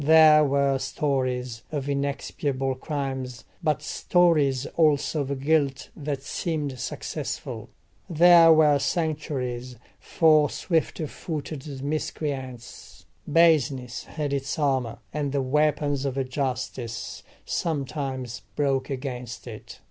There were stories of inexpiable crimes, but stories also of guilt that seemed successful. There were sanctuaries for swift footed miscreants: baseness had its armour, and the weapons of justice sometimes broke against it.